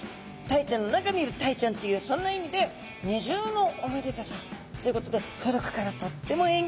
タイちゃんの中にいるタイちゃんっていうそんな意味で二重のおめでたさ！っていうことで古くからとっても縁起がいいものとされています。